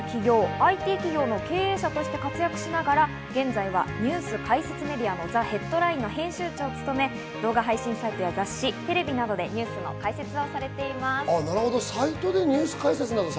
ＩＴ企業の経営者として活躍しながら、現在はニュース解説メディアの、ＴｈｅＨＥＡＤＬＩＮＥの編集長を務め、動画配信サイトや雑誌、テレビなどでニュースの解説をされています。